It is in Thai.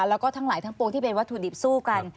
แล้วก็ทั้งหลายทั้งปวงที่เป็นวัตถุดิบสู้กัน